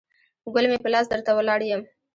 ګل مې په لاس درته ولاړ یم